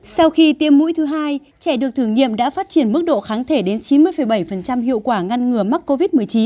sau khi tiêm mũi thứ hai trẻ được thử nghiệm đã phát triển mức độ kháng thể đến chín mươi bảy hiệu quả ngăn ngừa mắc covid một mươi chín